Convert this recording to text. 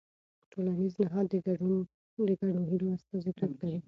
ټولنیز نهاد د ګډو هيلو استازیتوب کوي.